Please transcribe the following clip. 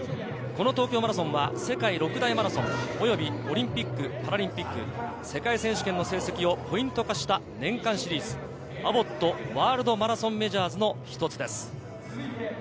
東京マラソンは世界６大マラソン、及びオリンピック・パラリンピック、世界選手権の成績をポイント化した年間シリーズ、アボット・ワールドマラソンメジャーズの一つです。